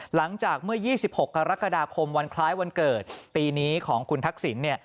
หลังจากเมื่อ๒๖กรกฎาคมวันคล้ายวันเกิดปีนี้ของคุณทักษิณเนี่ย